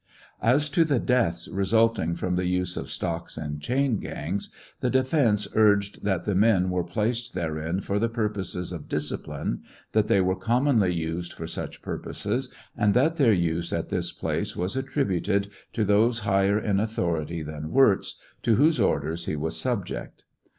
As to the deaths resulting from the use of stocks and chain gangs, the defence urged that the men were placed therein for the purposes of discipline ; that they were commonly used for such purposes, and that their use at this place was attributed to those higher in authority than Wirz, to whose orders he was subject.